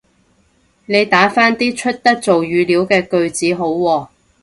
你打返啲出得做語料嘅句子好喎